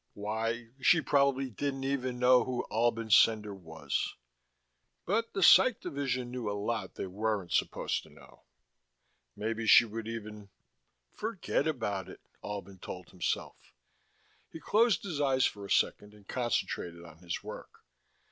Why, she probably didn't even know who Albin Cendar was.... But the Psych division knew a lot they weren't supposed to know. Maybe she would even.... Forget about it, Albin told himself. He closed his eyes for a second and concentrated on his work.